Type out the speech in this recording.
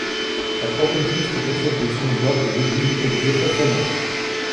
La troisième piste possède des sons d'orgue d'église et des effets sonores.